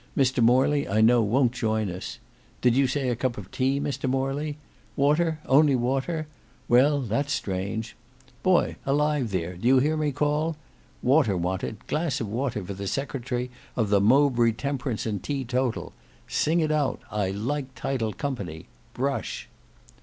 Mr Morley I know won't join us. Did you say a cup of tea, Mr Morley? Water, only water; well, that's strange. Boy alive there, do you hear me call? Water wanted, glass of water for the Secretary of the Mowbray Temperance and Teatotal. Sing it out. I like titled company. Brush!"